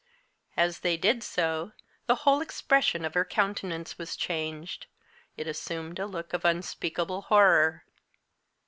As they did so, the whole expression of her countenance was changed; it assumed a look of unspeakable horror.